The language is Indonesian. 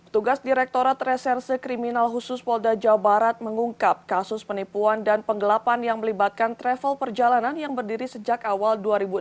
tugas direkturat reserse kriminal khusus polda jawa barat mengungkap kasus penipuan dan penggelapan yang melibatkan travel perjalanan yang berdiri sejak awal dua ribu enam belas